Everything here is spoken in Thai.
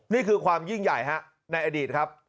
นี่คือความยิ่งใหญ่ฮะในอดีตครับ